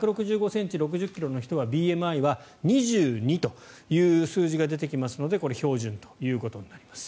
１６５ｃｍ６０ｋｇの方のＢＭＩは２２という数字が出てきますのでこれ、標準となります。